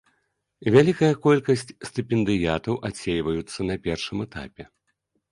Вялікая колькасць стыпендыятаў адсейваюцца на першым этапе.